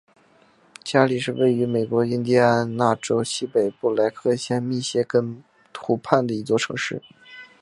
加里是位于美国印第安纳州西北部莱克县密歇根湖畔的一座城市。